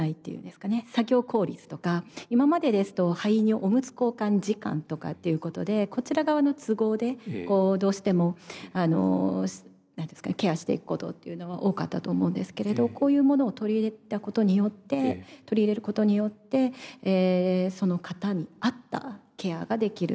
作業効率とか今までですとおむつ交換時間とかっていうことでこちら側の都合でどうしてもケアしていくことっていうのが多かったと思うんですけれどこういうものを取り入れたことによって取り入れることによってその方に合ったケアができるっていうことですよね。